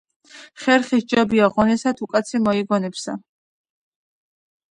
ხერხი სჯობია ღონესა, თუ კაცი მოიგონებსა.